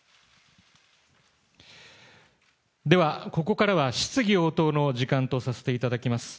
では、ここからは質疑応答の時間とさせていただきます。